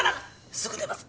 すぐ出ます！